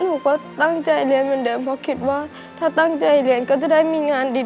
หนูก็ตั้งใจเรียนเหมือนเดิมเพราะคิดว่าถ้าตั้งใจเรียนก็จะได้มีงานดี